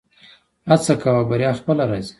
هڅه کوه بریا خپله راځي